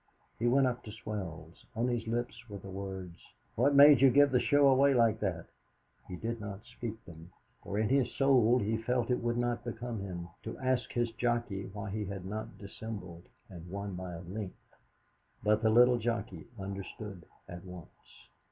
He went up to Swells. On his lips were the words: "What made you give the show away like that?" He did not speak them, for in his soul he felt it would not become him to ask his jockey why he had not dissembled and won by a length. But the little jockey understood at once.